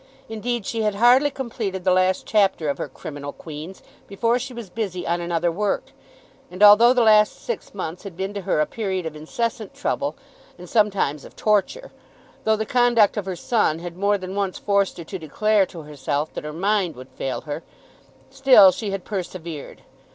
Indeed she had hardly completed the last chapter of her "Criminal Queens" before she was busy on another work; and although the last six months had been to her a period of incessant trouble, and sometimes of torture, though the conduct of her son had more than once forced her to declare to herself that her mind would fail her, still she had persevered.